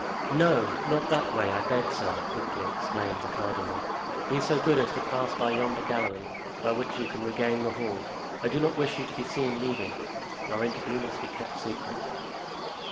"No, not that way, I beg, sir," quickly exclaimed the cardinal, "be so good as to pass by yonder gallery, by which you can regain the hall. I do not wish you to be seen leaving; our interview must be kept secret."